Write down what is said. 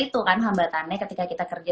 itu kan hambatannya ketika kita kerja